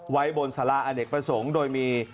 ไว้บนสาราอเนกประสงค์โดยมี